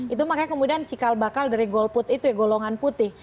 itu makanya kemudian cikal bakal dari golput itu ya golongan putih